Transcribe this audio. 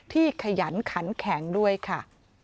ขยันขันแข็งด้วยค่ะ